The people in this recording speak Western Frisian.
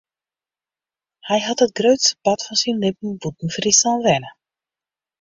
Hy hat it grutste part fan syn libben bûten Fryslân wenne.